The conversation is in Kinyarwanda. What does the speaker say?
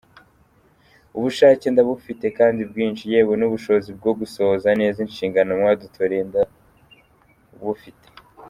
Ubushake ndabufite kandi bwinshi, yewe n’ubushobozi bwo gusohoza neza inshingano mwadutoreye ndabufite.